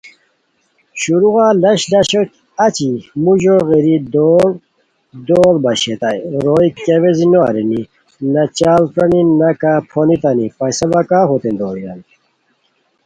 شروعہ لش لش اچی موژو غیری دول دوڑ باشئیتائے، روئے کیہ ویزی نو ارینی، نہ چاڑ پرانی وا نہ کا پھونیتانی، پَیسہ وا کا ہوتین دویان